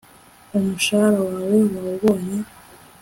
umushahara wawe wawubonye